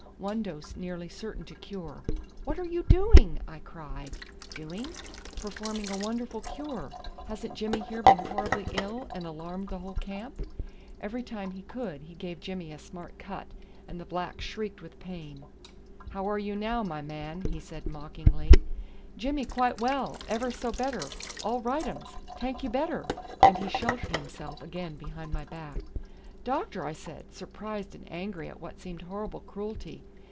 One dose nearly certain to cure." "What are you doing?" I cried. "Doing? Performing a wonderful cure. Hasn't Jimmy here been horribly ill, and alarmed the whole camp?" Every time he could he gave Jimmy a smart cut, and the black shrieked with pain. "How are you now, my man?" he said mockingly. "Jimmy quite as well. Ever so better. All rightums. Tank you better," yelled the black, and he sheltered himself again behind my back. "Doctor," I said, surprised and angry at what seemed horrible cruelty.